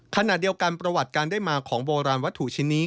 ขณะเดียวกันประวัติการได้มาของโบราณวัตถุชิ้นนี้